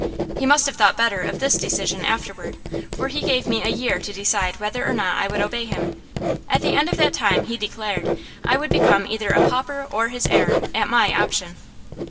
He must have thought better of this decision afterward, for he gave me a year to decide whether or not I would obey him. At the end of that time, he declared, I would become either a pauper or his heir, at my option.